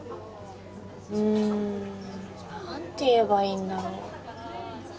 うんなんて言えばいいんだろう。